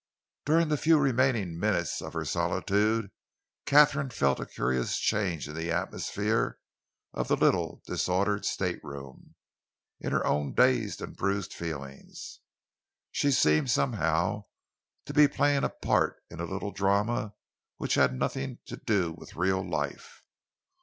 During the few remaining minutes of her solitude, Katharine felt a curious change in the atmosphere of the little disordered stateroom, in her own dazed and bruised feelings. She seemed somehow to be playing a part in a little drama which had nothing to do with real life.